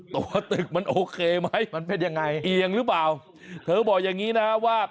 ตัวตึกมันโอเคไหมมันเป็นยังไงเอียงหรือเปล่าเธอบอกอย่างงี้นะว่า